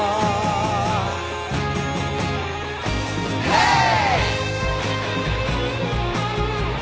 ヘイ！